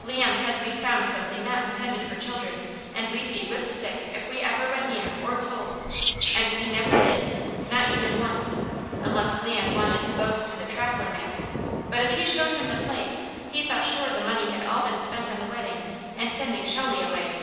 Leon said we'd found something not intended for children, and we'd be whipped sick if we ever went near or told, and we never did, not even once, unless Leon wanted to boast to the traveller man, but if he showed him the place, he thought sure the money had all been spent on the wedding and sending Shelley away."